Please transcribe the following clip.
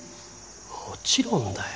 もちろんだよ。